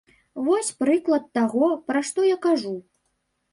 Вось прыклад таго, пра што я кажу.